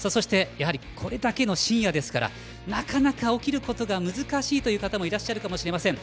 これだけの深夜ですから起きることが難しいという方もいらっしゃるかもしれません。